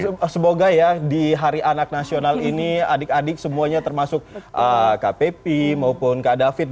semoga ya di hari anak nasional ini adik adik semuanya termasuk kak pepi maupun kak david